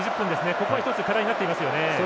ここが１つ課題になってますよね。